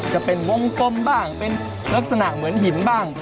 จะเป็นวงกลมบ้างเป็นลักษณะเหมือนหินบ้าง